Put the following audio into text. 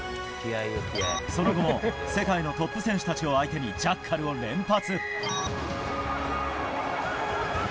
その後も世界のトップ選手たちを相手にジャッカルを連発。